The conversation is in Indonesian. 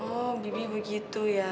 oh b begitu ya